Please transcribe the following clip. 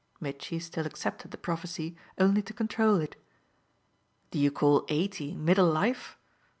Mitchy still accepted the prophecy only to control it. "Do you call eighty middle life?